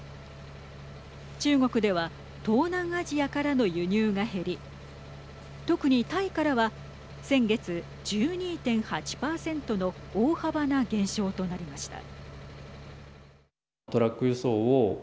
中国では東南アジアからの輸入が減り特に、タイからは先月１２．８％の大幅な減少となりました。